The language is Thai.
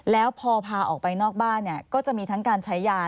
แล้วพอพาออกไปนอกบ้านก็จะมีทั้งการใช้ยา